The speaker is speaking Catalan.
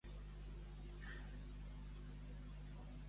A l'enemic i al traïdor, saluda'l millor.